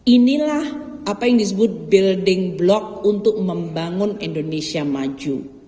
inilah apa yang disebut building block untuk membangun indonesia maju